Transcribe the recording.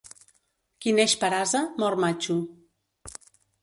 Qui neix per ase mor matxo.